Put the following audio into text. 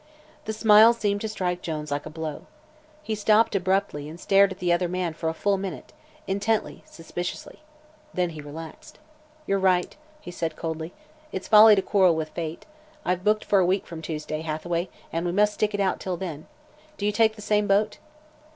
The smile seemed to strike Jones like a blow. He stopped abruptly and stared at the other man for a full minute intently, suspiciously. Then he relaxed. "You're right," said he coldly. "It's folly to quarrel with fate. I've booked for a week from Tuesday, Hathaway, and we must stick it out till then. Do you take the same boat?"